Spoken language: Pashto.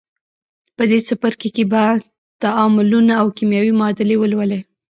په دې څپرکي کې به تعاملونه او کیمیاوي معادلې ولولئ.